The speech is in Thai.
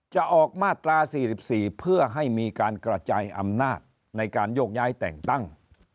จะออกมาตรา๔๔เพื่อให้มีการกระจายอำนาจในการโยกย้ายแต่งตั้ง